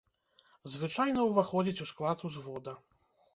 Звычайна ўваходзіць у склад узвода.